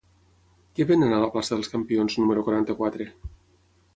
Què venen a la plaça dels Campions número quaranta-quatre?